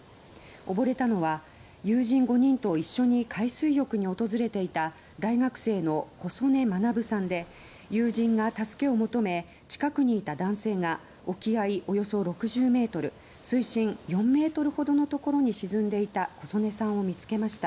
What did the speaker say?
溺れたのは友人５人と一緒に海水浴に訪れていた大学生の小曽根学さんで友人が助けを求め近くにいた男性が沖合およそ６０ｍ水深４ｍほどのところに沈んでいた小曽根さんを見つけました。